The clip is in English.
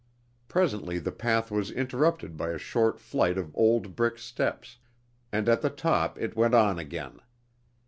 Presently the path was interrupted by a short flight of old brick steps, and at the top it went on again.